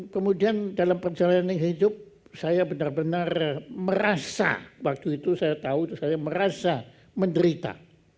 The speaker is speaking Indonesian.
kemudian dalam perjalanan hidup saya benar benar merasa waktu itu saya tahu saya merasa menderita